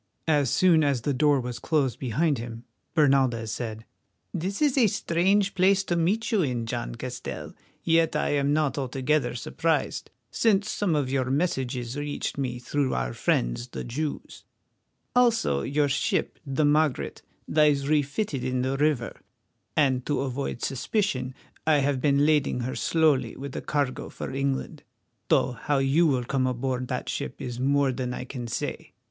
As soon as the door was closed behind him, Bernaldez said: "This is a strange place to meet you in, John Castell, yet I am not altogether surprised, since some of your messages reached me through our friends the Jews; also your ship, the Margaret, lies refitted in the river, and to avoid suspicion I have been lading her slowly with a cargo for England, though how you will come aboard that ship is more than I can say.